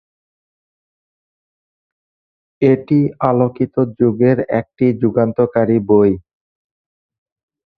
এটি আলোকিত যুগের একটি যুগান্তকারী বই।